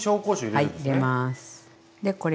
はい入れます。